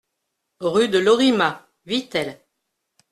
Rue de Lorima, Vittel